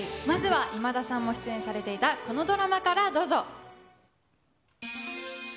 まずは今田さんも出演されていた、このドラマからどうぞ。